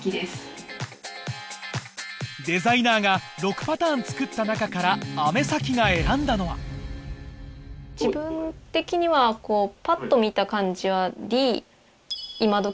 デザイナーが６パターン作った中から雨崎が選んだのは自分的にはぱっと見た感じはＤ。